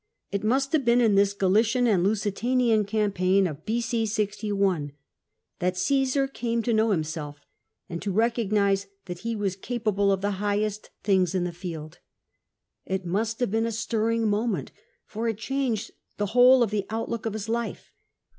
It must have been in this Galician and Lusi tanian campaign of B.c. 61 that Csesar came to know himself, and to recognise that he was capable of the highest things in the field. It must have been a stir ring moment, for it changed the whole of the outlook of his life.